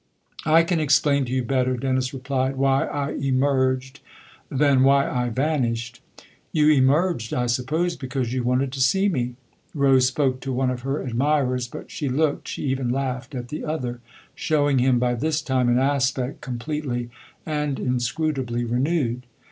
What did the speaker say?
" I can explain to you better," Dennis replied, " why I emerged than why I vanished." " You emerged, I suppose, because you wanted to see me." Rose spoke to one of her admirers, but she looked, she even laughed, at the other, showing him by this time an aspect completely and inscru tably renewed.